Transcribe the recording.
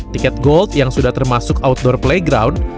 tiket gold yang sudah termasuk outdoor playground